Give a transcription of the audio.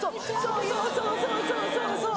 そうそうそうそうそう！